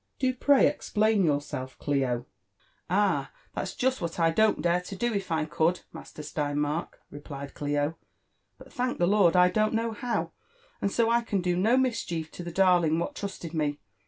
Do pray explain yourself, Clio." Ah ! that's jest what I don't dare to do if I could, Master Stein— mark," replied Clio. '* But, thank the Lord, I don't know how ; and go I can do no mischief to the darling what trusted me.